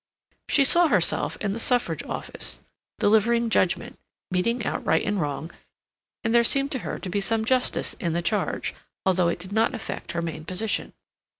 She saw herself in the Suffrage Office, delivering judgment, meting out right and wrong, and there seemed to her to be some justice in the charge, although it did not affect her main position.